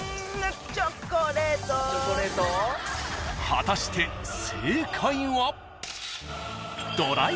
［果たして正解は］